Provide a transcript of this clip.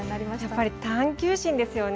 やっぱり探究心ですよね。